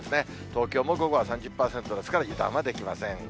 東京も午後は３０％ですから、油断はできません。